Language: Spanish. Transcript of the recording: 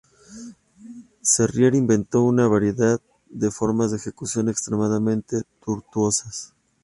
Carrier inventó una variedad de formas de ejecución extremadamente tortuosas.